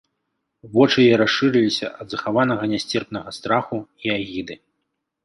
Вочы яе расшырыліся ад захаванага нясцерпнага страху і агіды.